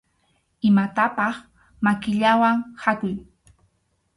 Imatapaq makillawan khakuy.